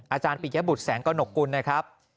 อาจารย์ปิยบุตรแสงกระหนกกุลนะครับ